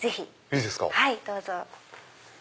はいどうぞ。